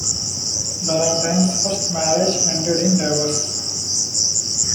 Ballantine's first marriage ended in divorce.